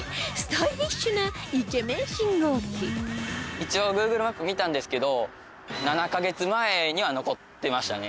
一応Ｇｏｏｇｌｅマップ見たんですけど７カ月前には残ってましたね。